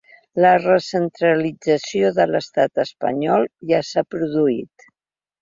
La recentralització de l’estat espanyol ja s’ha produït.